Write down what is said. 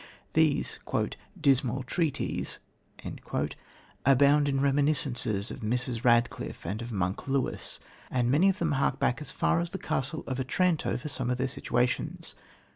These "dismal treatises" abound in reminiscences of Mrs. Radcliffe and of "Monk" Lewis, and many of them hark back as far as The Castle of Otranto for some of their situations.